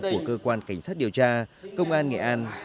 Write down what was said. của cơ quan cảnh sát điều tra công an nghệ an